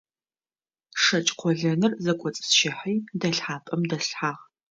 ШэкӀ къолэныр зэкӀоцӀысщыхьи дэлъхьапӀэм дэслъхьагъ.